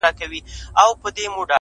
زما د زړه کوتره~